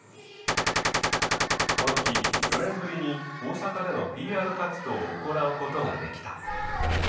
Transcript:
この日４年ぶりに大阪でのＰＲ活動を行うことができた。